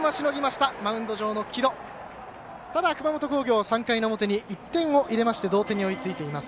ただ熊本工業、３回の表に１点を入れまして同点に追いついています。